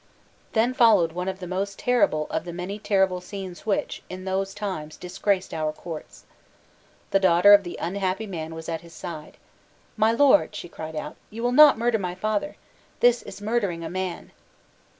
Then followed one of the most terrible of the many terrible scenes which, in those times, disgraced our Courts. The daughter of the unhappy man was at his side. "My Lord," she cried out, "you will not murder my father. This is murdering a man."